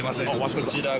こちらが。